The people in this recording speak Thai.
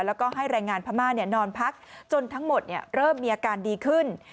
แล้วก็ให้แรงงานพม่านอนพักจนทั้งหมดเริ่มมีอาการดีขึ้น